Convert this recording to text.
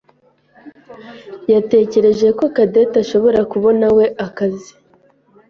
yatekereje ko Cadette ashobora kubonawe akazi.